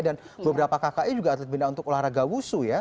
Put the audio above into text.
dan beberapa kakaknya juga atlet bina untuk olahraga wusu ya